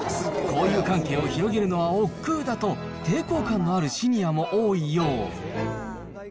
交友関係を広げるのはおっくうだと、抵抗感のあるシニアも多いよう。